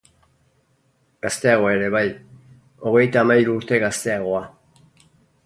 Gazteagoa ere bai, hogeita hamahiru urte gazteagoa.